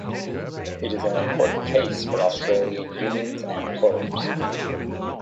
It is an important case for Australian unions and employers.